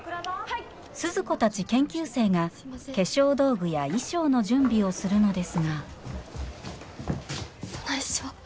鈴子たち研究生が化粧道具や衣装の準備をするのですがどないしよ。